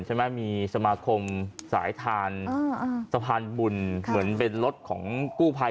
ใช่ไหมมีสมาคมสายทานสะพานบุญเหมือนเป็นรถของกู้ภัย